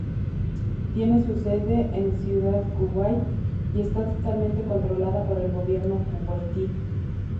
Tiene su sede en Ciudad Kuwait y está totalmente controlada por el Gobierno kuwaití.